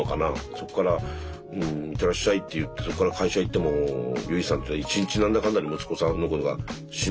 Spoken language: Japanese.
そこから「いってらっしゃい」って言ってそこから会社行ってもゆいさんというのは１日何だかんだで息子さんのことが心配なんでしょうね。